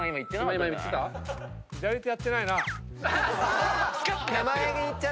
左手やってないな。